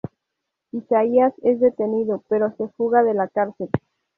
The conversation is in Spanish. Isaías es detenido, pero se fuga de la cárcel.